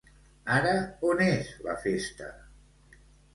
Ara on és la festa?